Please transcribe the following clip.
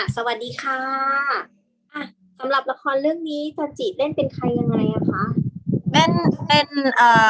สำหรับละครเรื่องนี้จันจิเล่นเป็นใครยังไงคะ